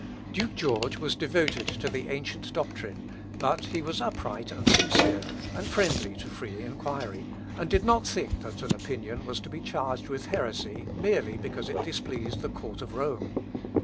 Duke George was devoted to the ancient doctrine; but he was upright and sincere, and friendly to free enquiry, and did not think that an opinion was to be charged with heresy, merely because it displeased the court of Rome.